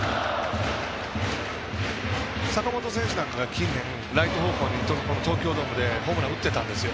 坂本選手なんかは近年、ライト方向に東京ドームでホームラン打ってたんですよ。